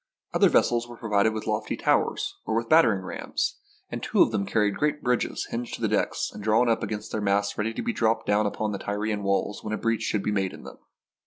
Other vessels were provided with lofty tow ers, or with battering rams, and two of them carried great bridges hinged to the decks and drawn up against their masts ready to be dropped upon the Tyrian walls when a breach should be made in them.